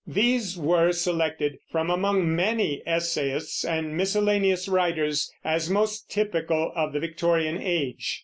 These were selected, from among many essayists and miscellaneous writers, as most typical of the Victorian Age.